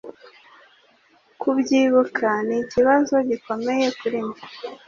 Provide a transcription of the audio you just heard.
Kubyibuha nikibazo gikomeye kuri njye.